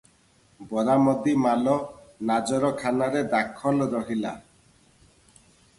ବରାମଦି ମାଲ ନାଜରଖାନାରେ ଦାଖଲ ରହିଲା ।